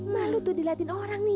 malu tuh dilihatin orang nih